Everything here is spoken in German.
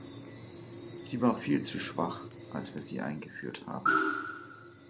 Sie war viel zu schwach, als wir sie eingeführt haben.